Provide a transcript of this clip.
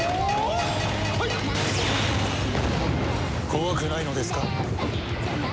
怖くないのですか？